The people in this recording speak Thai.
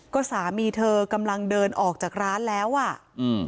ก็สามีเธอกำลังเดินออกจากร้านแล้วอ่ะอืม